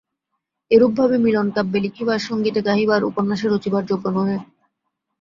এরূপভাবে মিলন কাব্যে লিখিবার, সংগীতে গাহিবার, উপন্যাসে রচিবার যোগ্য নহে।